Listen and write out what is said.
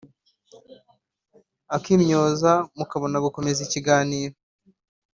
akimyoza mukabona gukomeza ikiganiro